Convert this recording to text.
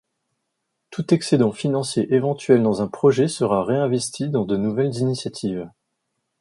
Tout excédent financier éventuel dans un projet sera réinvesti dans de nouvelles initiatives.